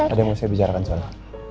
ada yang mau saya bicarakan salah